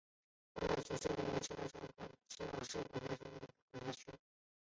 黄岛区是中国山东省青岛市所辖的一个市辖区。